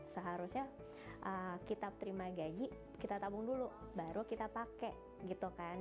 seharusnya kita terima gaji kita tabung dulu baru kita pakai gitu kan